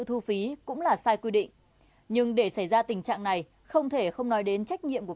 thu phí cũng là sai quy định nhưng để xảy ra tình trạng này không thể không nói đến trách nhiệm của